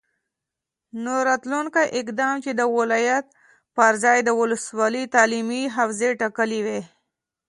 نو راتلونکی اقدام چې د ولایت پرځای د ولسوالي تعلیمي حوزې ټاکل وي،